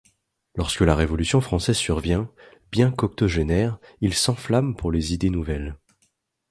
Lorsque la Révolution française survient, bien qu'octogénaire, il s'enflamme pour les idées nouvelles.